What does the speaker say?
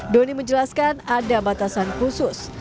doni menjelaskan ada batasan khusus